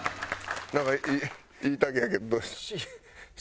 なんか言いたげやけど。